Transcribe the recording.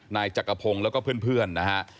นายจักรพงศ์แล้วก็เพื่อนนะฮะ